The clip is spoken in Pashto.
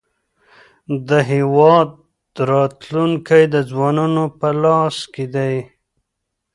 د هېواد راتلونکی د ځوانانو په لاس کې دی.